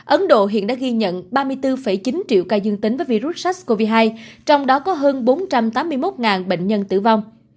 ấn độ hiện đã ghi nhận ba mươi bốn chín triệu ca dương tính với virus sars cov hai trong đó có hơn bốn trăm tám mươi một bệnh nhân tử vong